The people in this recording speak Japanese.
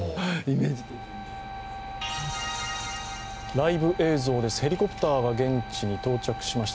ライブ映像です、ヘリコプターが現地に到着しました。